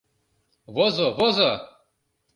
Возо, возо!